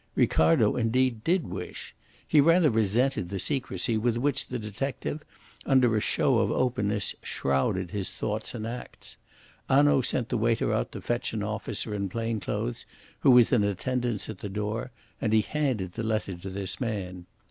Ricardo, indeed, did wish. He rather resented the secrecy with which the detective, under a show of openness, shrouded his thoughts and acts. Hanaud sent the waiter out to fetch an officer in plain clothes, who was in attendance at the door, and he handed the letter to this man.